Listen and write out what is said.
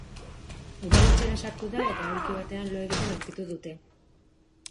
Udaletxera sartu da eta aulki batean lo egiten aurkitu dute.